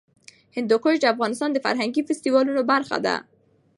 هندوکش د افغانستان د فرهنګي فستیوالونو برخه ده.